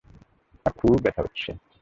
তার খুব ব্যথা হচ্ছে।